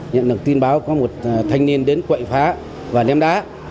nhận được tin báo có một thanh niên đến quậy phá và ném đá